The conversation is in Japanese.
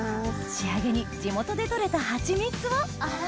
仕上げに地元で採れたハチミツをあら！